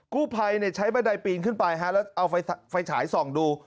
กู้ภัยใช้บันไดปีนขึ้นไปแล้วเอาไฟฉายส่องดู